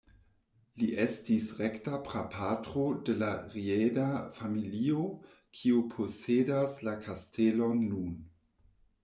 Li estis rekta prapatro de la Rieder-familio kiu posedas la kastelon nun.